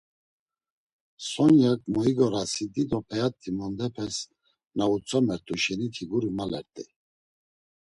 Sonyak moigorasi dido p̌eat̆i nondepe na utzomert̆u şeniti guri malert̆ey.